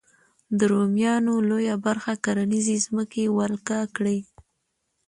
د رومیانو لویه برخه کرنیزې ځمکې ولکه کړې.